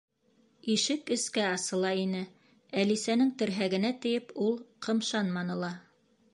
Ишек эскә асыла ине, Әлисәнең терһәгенә тейеп, ул ҡымшанманы ла.